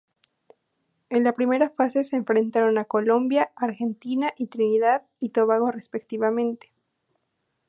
En la primera fase se enfrentaron a Colombia, Argentina y Trinidad y Tobago respectivamente.